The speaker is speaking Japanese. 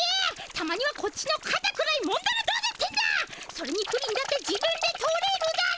それにプリンだって自分で取れるだろ。